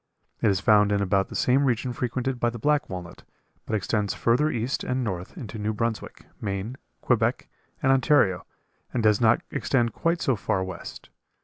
It is found in about the same regions frequented by the black walnut, but extends further east and north into New Brunswick, Maine, Quebec, and Ontario, and does not extend quite so far west.